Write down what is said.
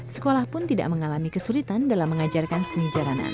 sekolah pun tidak mengalami kesulitan dalam mengajarkan seni jalanan